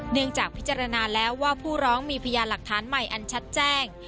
เนื่องจากพิจารณาแล้วว่าผู้ร้องมีพยานหลักฐานใหม่อันชัดแจ้ง